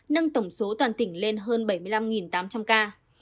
nâng tổng số toàn tỉnh lên hơn bảy mươi năm tám trăm linh ca